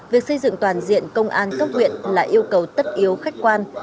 việc xây dựng toàn diện công an cấp huyện là yêu cầu tất yếu khách quan